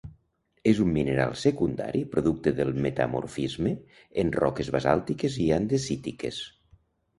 És un mineral secundari producte del metamorfisme en roques basàltiques i andesítiques.